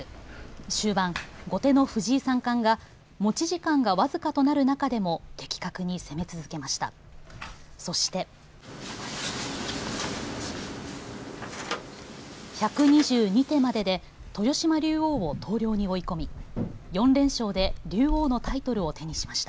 終盤、後手の藤井三冠が持ち時間が僅かとなる中でも的確に攻め続けました。